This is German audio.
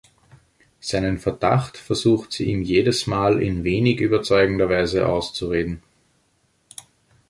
Seinen Verdacht versucht sie ihm jedes Mal in wenig überzeugender Weise auszureden.